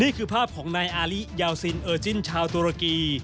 นี่คือภาพของนายอาลียาวซินเอิอจิ้นชาวตัวละกี่